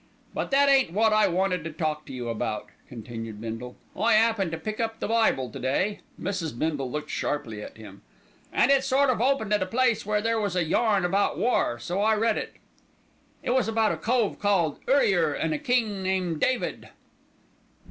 "But that ain't wot I wanted to talk to you about," continued Bindle. "I 'appened to pick up the Bible to day," Mrs. Bindle looked sharply at him, "and it sort of opened at a place where there was a yarn about war, so I read it. "It was about a cove called Urrier an' a king named David."